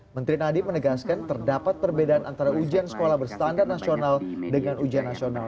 menteri nadiem menegaskan terdapat perbedaan antara ujian sekolah berstandar nasional dengan ujian nasional